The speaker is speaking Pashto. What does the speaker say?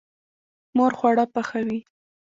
مور خواړه پخوي.